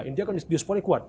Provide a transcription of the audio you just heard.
india kan diaspornya kuat